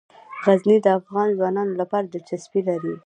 غزني د افغان ځوانانو لپاره دلچسپي لري.